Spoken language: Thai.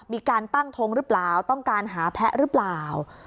มีการตั้งทงหรือเปล่าต้องการหาแพะหรือเปล่า